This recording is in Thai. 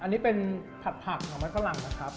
อันนี้เป็นผัดภักษ์ถั่วไขมัยกะหลั่งครับ